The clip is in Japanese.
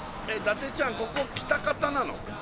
伊達ちゃんここ喜多方なの？